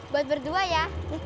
buat berdua ya